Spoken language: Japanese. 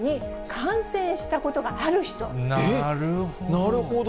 なるほど。